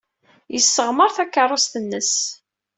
Yesseɣmer takeṛṛust-nnes.